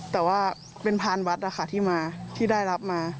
แต่ว่าเป็นพานวัดนะคะที่มาที่ได้รับมา